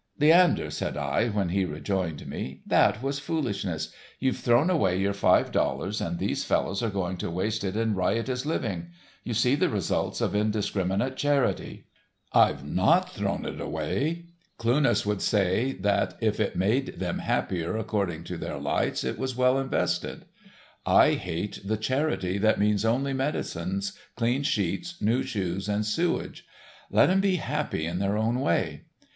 "Leander," said I, when he rejoined me, "that was foolishness, you've thrown away your five dollars and these fellows are going to waste it in riotous living. You see the results of indiscriminate charity." "I've not thrown it away. Cluness would say that if it made them happier according to their lights it was well invested. I hate the charity that means only medicines, clean sheets, new shoes and sewerage. Let 'em be happy in their own way."